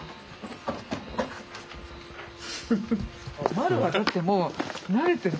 まるはだってもう慣れてる。